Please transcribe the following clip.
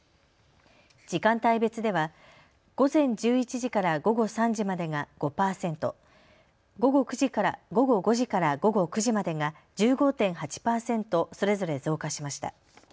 時間帯別では午前１１時から午後３時までが５％、午後５時から午後９時までが１５．８％それぞれ増加しました。